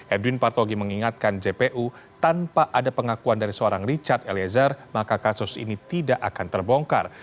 edwin partogi mengingatkan jpu tanpa ada pengakuan dari seorang richard eliezer maka kasus ini tidak akan terbongkar